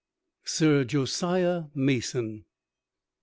SIR JOSIAH MASON.